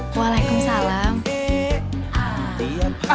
tengah tengah tengah tengah